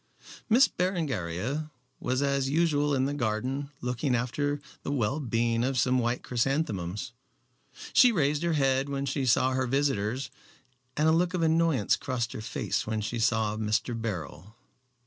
Miss Berengaria was as usual in the garden looking after the well being of some white chrysanthemums. She raised her head when she saw her visitors, and a look of annoyance crossed her face when she saw Mr. Beryl.